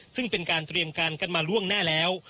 ซึ่งเป็นการเตรียมการกันมาล่วงหน้าแล้ว